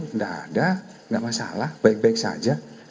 tidak ada tidak masalah baik baik saja